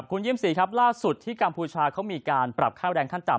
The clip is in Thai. คุณเยี่ยมศรีครับล่าสุดที่กัมพูชาเขามีการปรับค่าแบรนด์ขั้นต่ำ